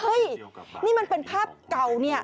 เฮ้ยนี่มันเป็นภาพเก่าเนี่ย